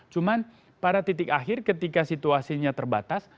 cuma pada titik akhir ketika situasinya terbatas